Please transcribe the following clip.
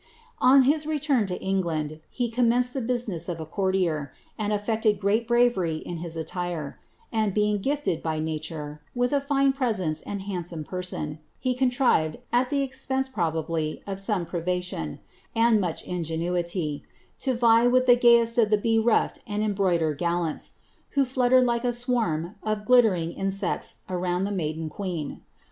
On his return to England, he commenced the business of a and affected great bravery in his atiire ; and being gifted, by nan a fine presence and handsome person, he contrived, at the expei bably, of some privation, and much ingenuity, to vie with the ; the be nifTed and embroidered gallants, who fluttered like a s' gliilering insects round the maiden queen.